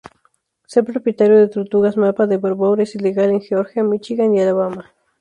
Ser propietario de tortugas mapa de Barbour es ilegal en Georgia, Míchigan y Alabama.